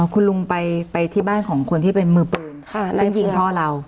คุณลุงไปที่บ้านของคนที่เป็นมือปืนซึ่งยิงพ่อเรา